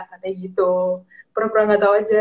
aneh gitu pura pura gak tau aja